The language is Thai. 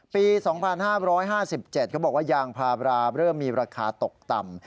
ปี๒๕๕๗เขาบอกว่ายางพาราเริ่มมีราคาตกต่ำ